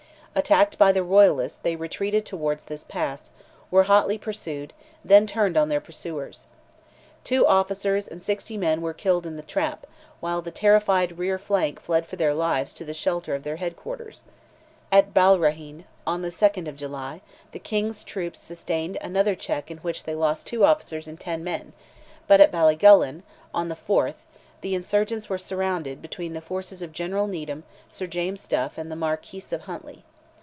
Attacked by the royalists they retreated towards this pass, were hotly pursued, and then turned on their pursuers. Two officers and sixty men were killed in the trap, while the terrified rear rank fled for their lives to the shelter of their head quarters. At Ballyraheene, on the 2nd of July, the King's troops sustained another check in which they lost two officers and ten men, but at Ballygullen, on the 4th, the insurgents were surrounded between the forces of General Needham, Sir James Duff, and the Marquis of Huntley.